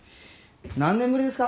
何年ぶりですか？